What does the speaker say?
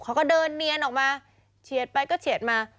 เขาก็เดินเนียนออกมาเฉียดไปก็เฉียดมา